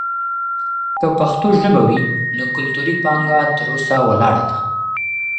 که پښتو ژبه وي، نو کلتوري پانګه تر اوسه ولاړه ده.